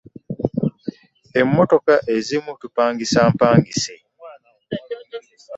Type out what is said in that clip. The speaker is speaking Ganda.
Emmotoka ezimu tupangisa mpangise.